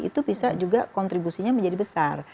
itu bisa juga kontribusinya menjadi besar